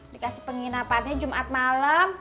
dikasih penginapannya jumat malam